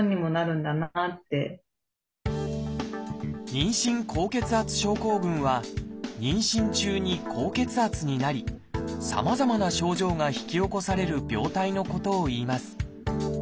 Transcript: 「妊娠高血圧症候群」は妊娠中に高血圧になりさまざまな症状が引き起こされる病態のことをいいます。